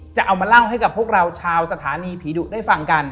จะเอามาเล่าให้กับพวกเราชาวสถานีผีดุได้ฟังกัน